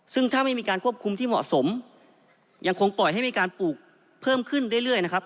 ซึ่งถ้าไม่มีการควบคุมที่เหมาะสมยังคงปล่อยให้มีการปลูกเพิ่มขึ้นเรื่อยนะครับ